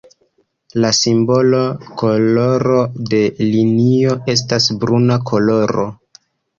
La simbola koloro de linio estas bruna koloro.